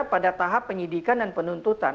pada tahap penyidikan dan penuntutan